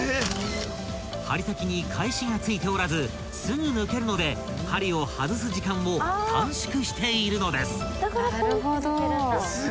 ［針先に返しがついておらずすぐ抜けるので針を外す時間を短縮しているのです］